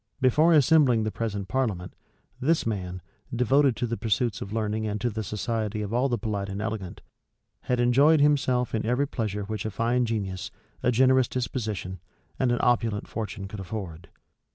Before assembling the present parliament, this man, devoted to the pursuits of learning and to the society of all the polite and elegant, had enjoyed himself in every pleasure which a fine genius, a generous disposition, and an opulent fortune could afford.